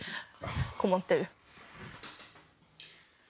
困ってる。